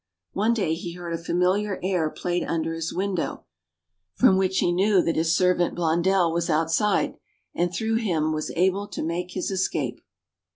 One day he heard a familiar air played under his window, from which he knew that his servant Blondell was outside, and through him was able to make his escape.